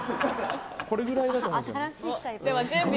これぐらいだと思うんですよ。